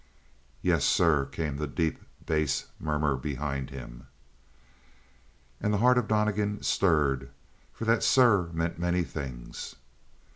"Yes sir," came the deep bass murmur behind him. And the heart of Donnegan stirred, for that "sir" meant many things.